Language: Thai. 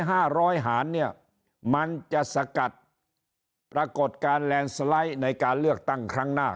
ห้าร้อยหานี้มันจะสกัดปรากฏการในการเลือกตั้งครั้งหน้า